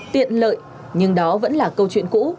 tiện lợi nhưng đó vẫn là câu chuyện cũ